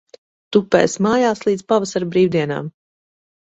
Tupēsi mājās līdz pavasara brīvdienām.